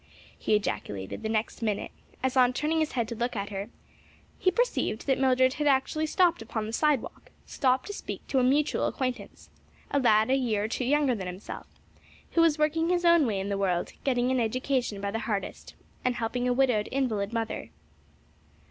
he ejaculated the next minute, as on turning his head to look after her, he perceived that Mildred had actually stopped upon the sidewalk stopped to speak to a mutual acquaintance, a lad a year or two younger than himself, who was working his own way in the world, getting an education by the hardest and helping a widowed, invalid mother.